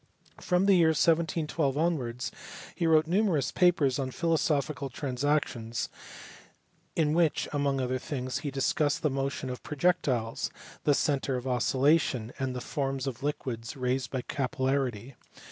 From the year 1712 onwards he wrote numerous papers in the Philosophical Transactions in which, among other things, he discussed the motion of pro jectiles, the centre of oscillation, and the forms of liquids raised by capillarity.